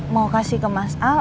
mau kasih ke mas a